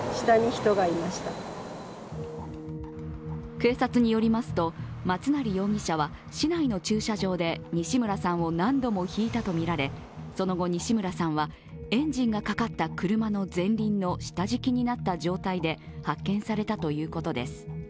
警察によりますと松成容疑者は、市内の駐車場で西村さんを何度もひいたとみられその後、西村さんはエンジンがかかった車の前輪の下敷きになった状態で発見されたということです。